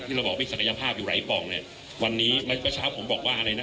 เราบอกว่ามีศักยภาพอยู่หลายป่องเนี่ยวันนี้เมื่อเช้าผมบอกว่าอะไรนะ